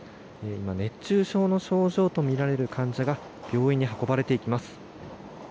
今、熱中症の症状とみられる患者が病院に運ばれていきます。